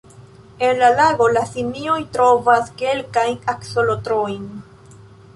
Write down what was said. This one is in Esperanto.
En la lago, la simioj trovas kelkajn aksolotlojn.